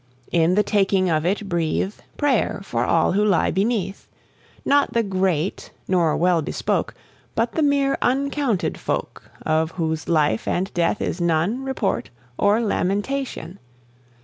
In the taking of it breathe Prayer for all who lie beneath Not the great nor well bespoke, But the mere uncounted folk Of whose life and death is none Report or lamentation.